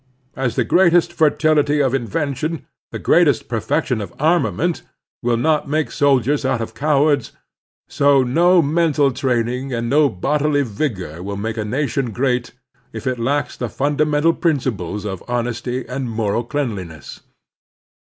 As the greatest fertility of invention, the " greatest perfection of armament, will not make ( soldiers out of cowards, so no mental training and no bodily vigor will make a nation great if it lacks the fimdamental principles of honesty and moral cleanliness.